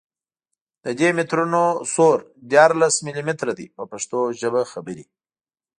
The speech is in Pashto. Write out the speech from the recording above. د دي مترونو سور دیارلس ملي متره دی په پښتو ژبه خبرې.